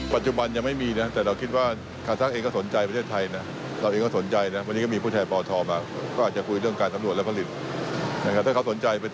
ปัจจุบันยังไม่มีแต่เราคิดว่าคาซักเองเขาสนใจเมืองประเทศไทย